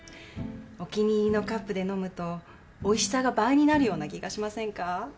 お気に入りのカップで飲むとおいしさが倍になるような気がしませんか？